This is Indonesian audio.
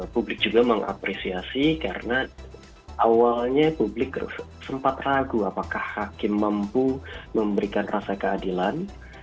publik juga mengapresiasi karena awalnya publik sempat ragu apakah hakim mampu memberikan rasa keadilan